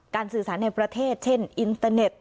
สื่อสารในประเทศเช่นอินเตอร์เน็ต